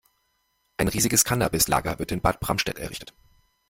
Ein riesiges Cannabis-Lager wird in Bad Bramstedt errichtet.